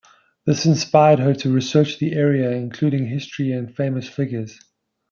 This inspired her to research the area, including history and famous figures.